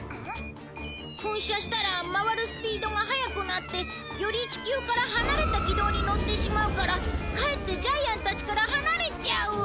噴射したら回るスピードが速くなってより地球から離れた軌道に乗ってしまうからかえってジャイアンたちから離れちゃう。